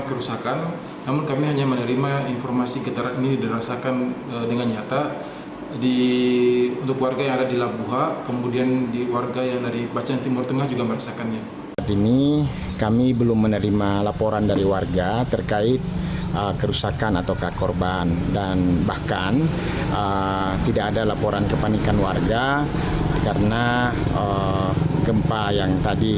ketika diberi penyelesaian penyelesaian tersebut tidak terjadi